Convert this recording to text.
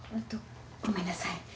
ごめんなさい。